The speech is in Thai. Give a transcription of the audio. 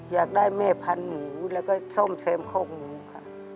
อยากได้เมภันฑ์หมูแล้วก็ซ่อมเซ็มโค้งหมูค่ะ